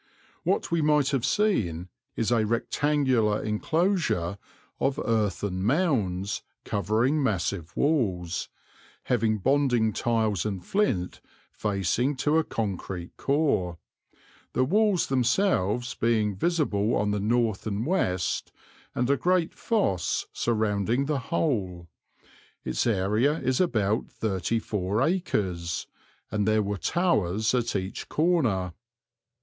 What we might have seen is a rectangular enclosure of earthen mounds covering massive walls, having bonding tiles and flint facing to a concrete core, the walls themselves being visible on the north and west, and a great fosse surrounding the whole. Its area is about thirty four acres, and there were towers at each corner.